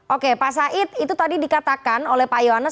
oke pak said itu tadi dikatakan oleh pak yones